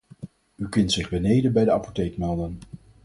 U kunt zich beneden bij de apotheek melden.